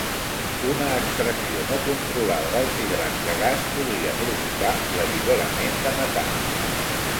Una extracció no controlada dels hidrats de gas podria provocar l'alliberament de metà.